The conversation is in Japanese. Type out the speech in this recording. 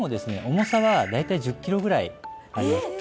重さは大体１０キロぐらいあります